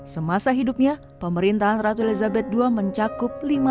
semasa hidupnya pemerintahan ratu elizabeth ii mencakup